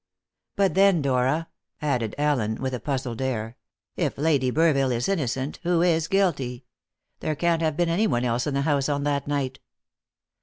But then, Dora," added Allen, with a puzzled air, "if Lady Burville is innocent, who is guilty? There can't have been anyone else in the house on that night."